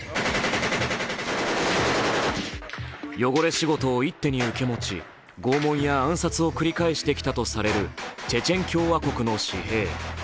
汚れ仕事を一手に受け持ち拷問や暗殺を繰り返してきたとされるチェチェン共和国の私兵。